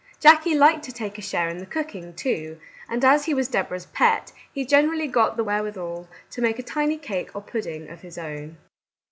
Jackie liked to take a share in the cooking, too, and as he was Deborah's pet, he generally got the wherewithal to make a tiny cake or pudding of his own.